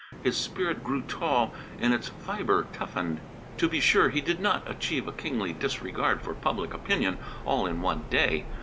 His spirit grew tall and its fibre toughened. To be sure, he did not achieve a kingly disregard for public opinion all in one day.